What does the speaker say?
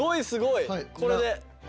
これで。